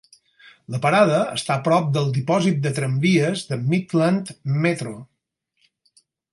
La parada està a prop del dipòsit de tramvies de Midland Metro.